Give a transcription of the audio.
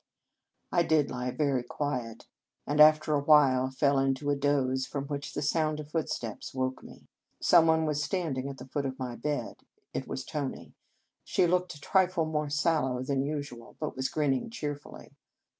I did lie very quiet, and, after a while, fell into a doze, from which the sound of footsteps woke me. Some one was standing at the foot of my bed. It was Tony. She looked a trifle more sallow than usual, but was grinning cheerfully.